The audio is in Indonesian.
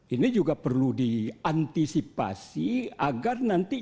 ini juga perlu diantisipasi agar nanti